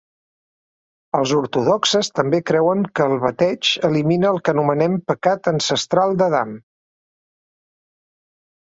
Els ortodoxes també creuen que el bateig elimina el que anomenen pecat ancestral d'Adam.